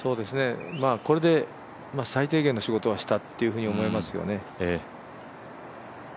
これで最低限の仕事はしたって思いますよね。